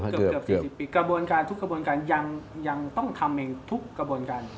เกือบ๔๐ปีกระบวนการทุกกระบวนการยังต้องทำเองทุกกระบวนการ